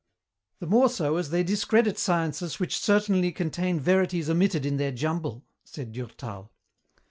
"The more so as they discredit sciences which certainly contain verities omitted in their jumble," said Durtal.